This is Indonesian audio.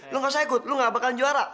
lo gak saya ikut lo gak bakalan juara